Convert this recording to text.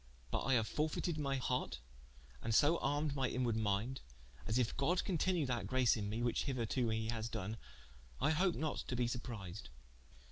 But I haue fortefied my harte, and so armed my inwarde minde, as if God continue that grace in me, which hitherto he hath done, I hope not to be surprised.